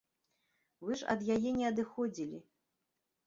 Вы ж ад яе не адыходзілі.